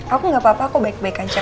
aku gak apa apa kok baik baik aja